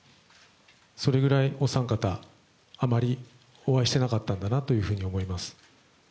それぐらいお三方、あまりお会いしていなかったんだなと思います。